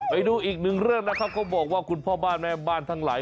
ไปดูอีกหนึ่งเรื่องนะครับเขาบอกว่าคุณพ่อบ้านแม่บ้านทั้งหลาย